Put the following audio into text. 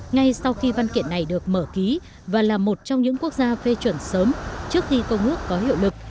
ngay sau khi văn kiện này được mở ký và là một trong những quốc gia phê chuẩn sớm trước khi công ước có hiệu lực